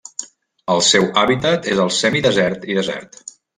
El seu hàbitat és el semidesert i desert.